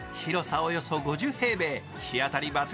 およそ５０平米、日当たり抜群！